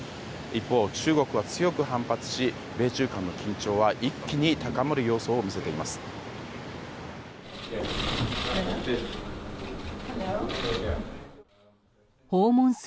一方、中国は強く反発し米中間の緊張は一気に高まる様相を見せています。